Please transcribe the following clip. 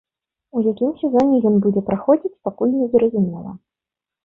У якім сезоне ён будзе праходзіць, пакуль незразумела.